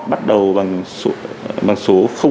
bắt đầu bằng số